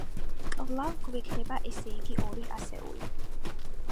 კვლავ გვექნება ესე იგი ორი ასეული.